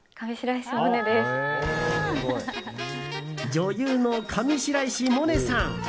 女優の上白石萌音さん。